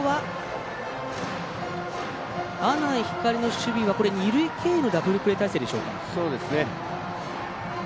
阿南光の守備は二塁経由のダブルプレー態勢でしょうか。